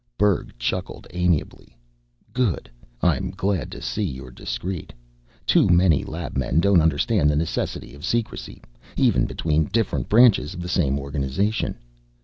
Berg chuckled amiably. "Good. I'm glad to see you're discreet. Too many labmen don't understand the necessity of secrecy, even between different branches of the same organization."